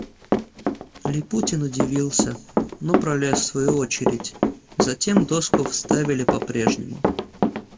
Липутин удивился, но пролез в свою очередь; затем доску вставили по-прежнему.